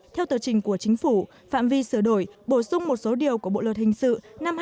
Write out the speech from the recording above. theo tờ trình của chính phủ phạm vi sửa đổi bổ sung một số điều của bộ luật hình sự năm hai nghìn một mươi năm